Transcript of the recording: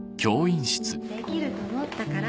できると思ったから。